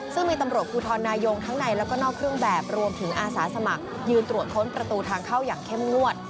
ซึ่งมีตำรวจภูทรนายงทั้งในแล้วก็นอกเครื่องแบบรวมถึงอาสาสมัครยืนตรวจค้นประตูทางเข้าอย่างเข้มงวด